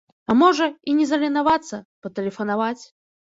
А можа, і не заленавацца, патэлефанаваць.